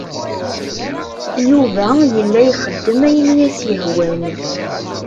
Yuba yella ixeddem ayen i as-yehwan.